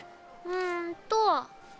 うんと。